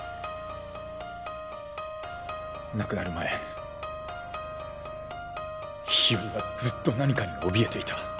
亡くなる前日和はずっと何かにおびえていた。